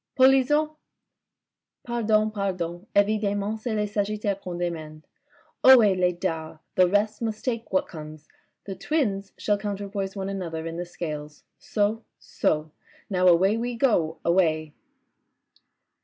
..." Polisson !"" Pardon, pardon. Evidcmment, c'est le Sagittaire qu'on demande. Ohe, les dards ! The rest must take what comes. The Twins shall counterpoise one another in the Scales. So, so. Now away we go, away."